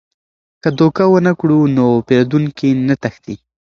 که دوکه ونه کړو نو پیرودونکي نه تښتي.